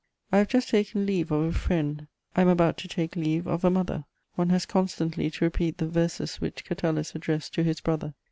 I have just taken leave of a friend, I am about to take leave of a mother: one has constantly to repeat the verses which Catullus addressed to his brother.